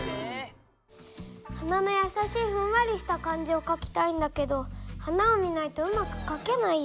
花のやさしいふんわりした感じをかきたいんだけど花を見ないとうまくかけないよ。